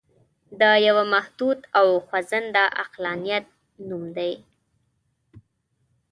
د یوه محدود او خوځنده عقلانیت نوم دی.